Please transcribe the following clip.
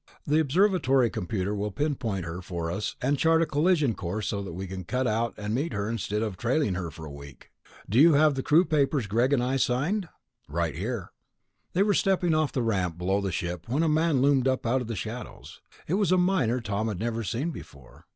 The observatory computer will pinpoint her for us and chart a collision course so we can cut out and meet her instead of trailing her for a week. Do you have the crew papers Greg and I signed?" "Right here." They were stepping off the ramp below the ship when a man loomed up out of the shadows. It was a miner Tom had never seen before.